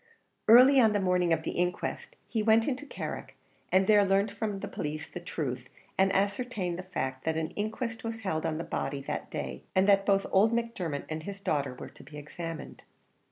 Early on the morning of the inquest, he went into Carrick, and there learnt from the police the truth, and ascertained the fact that an inquest was held on the body that day, and that both old Macdermot and his daughter were to be examined at it.